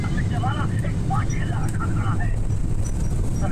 خو څو ستوري په گردو کي را ايسار دي’